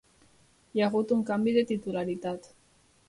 Hi ha hagut un canvi de titularitat.